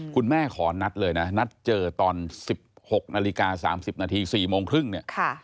คุณแม่ขอนัดเลยนะนัดเจอตอน๑๖นาฬิกา๓๐นาที๔โมงครึ่งเนี่ย